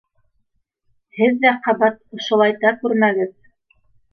Һеҙ ҙә ҡабат ошолайта күрмәгеҙ.